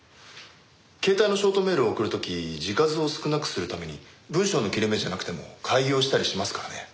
携帯のショートメールを送る時字数を少なくするために文章の切れ目じゃなくても改行したりしますからね。